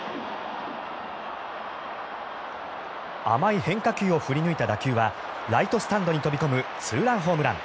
甘い変化球を振り抜いた打球はライトスタンドに飛び込むツーランホームラン。